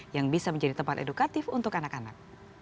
yang bisa menjadi tempat edukatif untuk anak anak